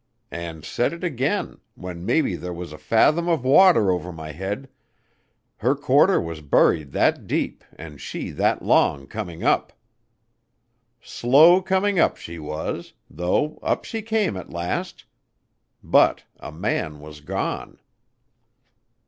And said it again when maybe there was a fathom of water over my head her quarter was buried that deep and she that long coming up. Slow coming up she was, though up she came at last. But a man was gone."